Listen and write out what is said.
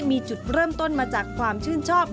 มีจุดเริ่มต้นมาจากความชื่นชอบ